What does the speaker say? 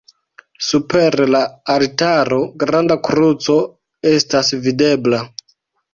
Super la altaro granda kruco estas videbla.